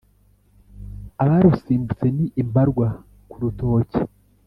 Abarusimbutse ni imbarwa ku rutoke